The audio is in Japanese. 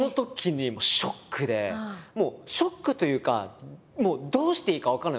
ショックというかもうどうしていいか分からない。